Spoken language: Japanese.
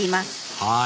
はい。